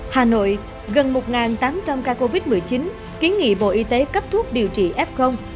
hà nội gần một tám trăm linh ca covid một mươi chín kiến nghị bộ y tế cấp thuốc điều trị f